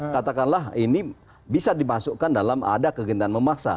katakanlah ini bisa dimasukkan dalam ada kegendaan memaksa